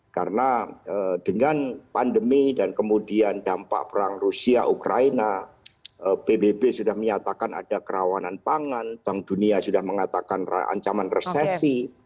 karena dengan pandemi dan kemudian dampak perang rusia ukraina pbb sudah menyatakan ada kerawanan pangan bank dunia sudah mengatakan ancaman resesi